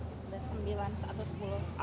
ada sembilan satu sepuluh